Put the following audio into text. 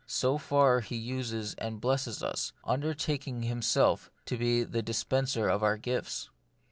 So far, He uses and blesses us, undertaking Himself to be the dispenser of our gifts.